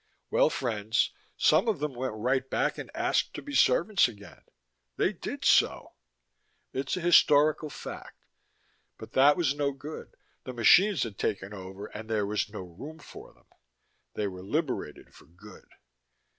Well, friends, some of them went right back and asked to be servants again they did so. It's a historical fact. But that was no good: the machines had taken over and there was no room for them. They were liberated for good.